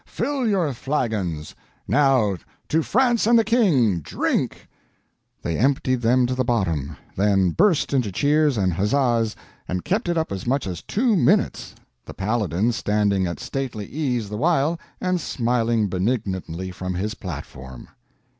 Fill your flagons! Now—to France and the King—drink!" They emptied them to the bottom, then burst into cheers and huzzas, and kept it up as much as two minutes, the Paladin standing at stately ease the while and smiling benignantly from his platform.